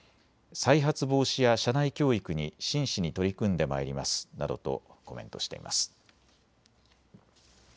再発防止や社内教育に真摯に取り組んで参りますなどとコメントしています。